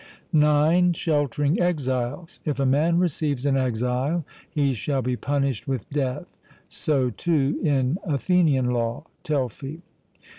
(9) Sheltering exiles. 'If a man receives an exile, he shall be punished with death.' So, too, in Athenian law (Telfy.).